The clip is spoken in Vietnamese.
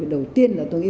đầu tiên là tôi nghĩ